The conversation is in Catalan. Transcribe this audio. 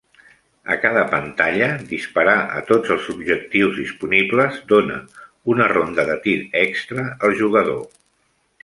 A cada pantalla, disparar a tots els objectius disponibles dóna una ronda de tir extra al jugador.